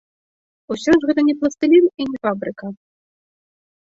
Усё ж, гэта не пластылін і не фабрыка.